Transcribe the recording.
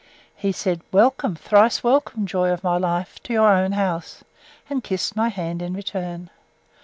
—He said, Welcome, thrice welcome, joy of my life! to your own house; and kissed my hand in return.